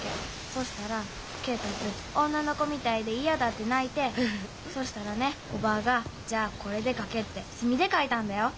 そしたら恵達「女の子みたいで嫌だ」って泣いてそしたらねおばぁが「じゃこれで描け」って墨で描いたんだよ。